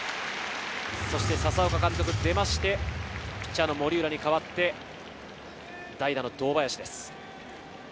そして佐々岡監督出まして、ピッチャーの森浦に代わって、代打の堂林です。